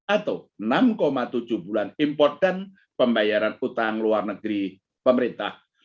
atau enam tujuh bulan import dan pembayaran utang luar negeri pemerintah